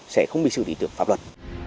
sẽ không bị xử lý được pháp luật